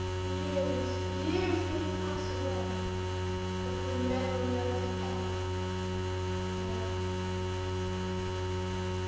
Years—years may pass away, but the memory of that epoch—never!